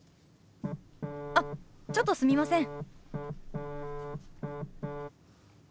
あっちょっとすみません。